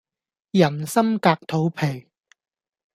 人心隔肚皮